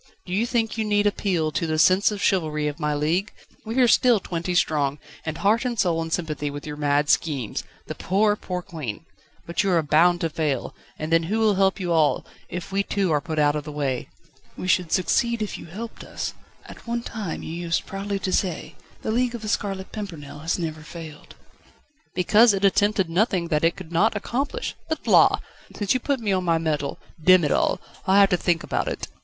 Do you think you need appeal to the sense of chivalry of my league? We are still twenty strong, and heart and soul in sympathy with your mad schemes. The poor, poor Queen! But you are bound to fail, and then who will help you all, if we too are put out of the way?" "We should succeed if you helped us. At one time you used proudly to say: 'The League of The Scarlet Pimpernel has never failed.'" "Because it attempted nothing which it could not accomplish. But, la! since you put me on my mettle Demm it all! I'll have to think about it!"